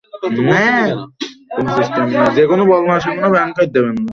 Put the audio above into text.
কোনো সিমেন্ট নেই?